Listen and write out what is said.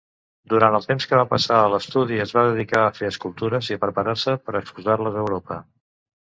Durant el temps que va passar a l'estudi, es va dedicar a fer escultures i a preparar-se per exposar-les a Europa.